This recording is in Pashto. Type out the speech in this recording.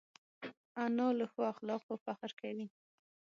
انا له ښو اخلاقو فخر کوي